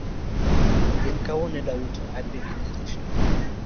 in kawuono idwa wito hapi gi drisa?